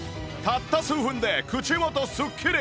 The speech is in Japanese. たった数分で口元すっきり！